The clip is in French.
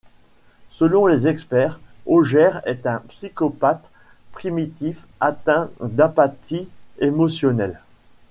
Selon les experts, Hojer est un psychopathe primitif atteint d'apathie émotionnelle.